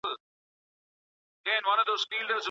يا به پټ سي.